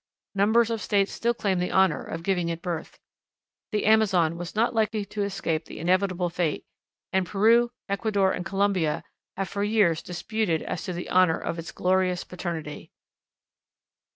Numbers of States still claim the honor of giving it birth. The Amazon was not likely to escape the inevitable fate, and Peru, Ecuador, and Colombia have for years disputed as to the honor of its glorious paternity.